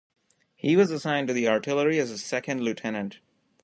He was assigned to the artillery as a second lieutenant.